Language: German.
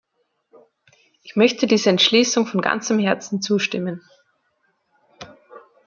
Ich möchte dieser Entschließung von ganzem Herzen zustimmen.